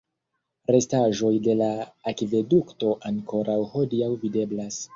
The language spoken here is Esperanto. Restaĵoj de la akvedukto ankoraŭ hodiaŭ videblas.